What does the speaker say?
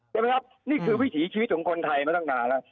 ใช่ไหมครับนี่คือวิถีชีวิตของคนไทยมาตั้งนานแล้ว